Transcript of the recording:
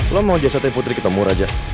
lo mau jasadnya putri ketemu raja